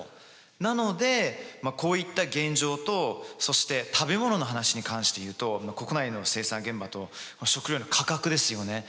なのでこういった現状とそして食べ物の話に関していうと国内の生産現場と食料の価格ですよね。